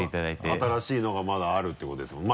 新しいのがまだあるってことですもん。